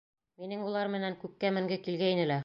— Минең улар менән күккә менге килгәйне лә.